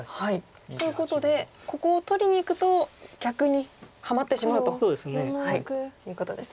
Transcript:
ということでここを取りにいくと逆にハマってしまうということですね。